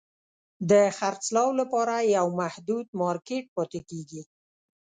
د خرڅلاو لپاره یو محدود مارکېټ پاتې کیږي.